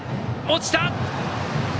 落ちた！